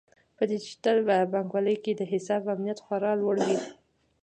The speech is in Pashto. په ډیجیټل بانکوالۍ کې د حساب امنیت خورا لوړ وي.